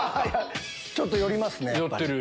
ちょっと寄りますねやっぱり。